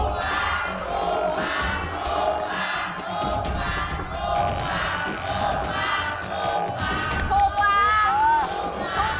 ถูกกว่า